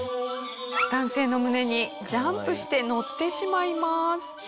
男性の胸にジャンプしてのってしまいます。